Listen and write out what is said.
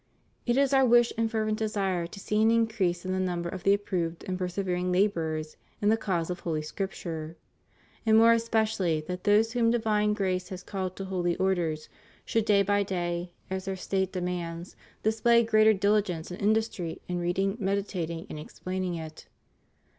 It is Our wish and fervent desire to see an increase in the mmiber of the approved and persevering laborers in the cause of Holy Scripture; and more especially that those whom divine grace has called to holy orders should, day by day, as their state demands, display greater diUgence and industry in reading, meditating, and explaining it.